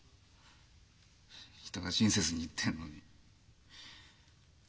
人が親切に言ってんのに。